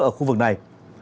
ở khu vực bắc bộ